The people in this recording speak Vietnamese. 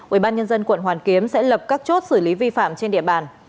ubnd quận hoàn kiếm sẽ lập các chốt xử lý vi phạm trên địa bàn